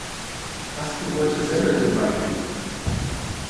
Hast du heute Semmeln gebacken?